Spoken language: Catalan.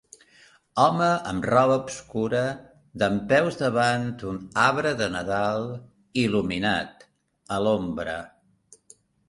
Home amb roba obscura dempeus davant un arbre de Nadal il·luminat, a l'ombra.